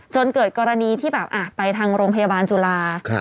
จนเกิดกรณีที่แบบไปทางโรงพยาบาลจุฬา